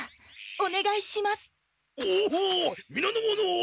お！